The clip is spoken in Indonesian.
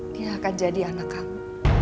dia akan jadi anak kamu